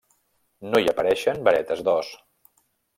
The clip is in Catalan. No hi apareixen varetes d'os.